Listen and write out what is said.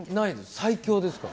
最強ですから。